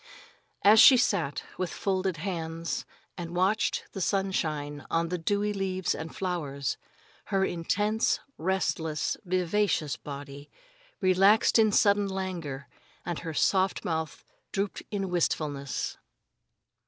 As she sat, with folded hands, and watched the sunshine on the dewy leaves and flowers, her intense, restless, vivacious body relaxed in sudden languor and her soft mouth drooped in wistfulness.